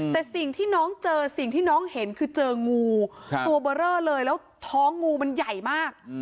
แต่สิ่งที่น้องเจอสิ่งที่น้องเห็นคือเจองูตัวเบอร์เรอเลยแล้วท้องงูมันใหญ่มาก